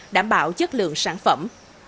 đảm bảo chất lượng sản phẩm